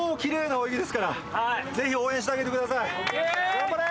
頑張れ！